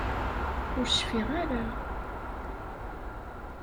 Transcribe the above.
Ur cfiɣ ara!